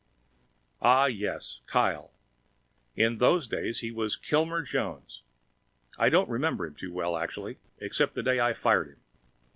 Ah, yes, Kyle! In those days he was Kilmer Jones. I don't remember him too well, actually, except for the day I fired him.